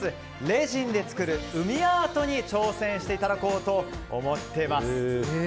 レジンで作る海アートに挑戦していただこうと思っています。